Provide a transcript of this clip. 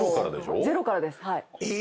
ゼロからです。え！